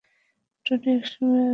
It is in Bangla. টনি একসময় আমায় পছন্দ করতো।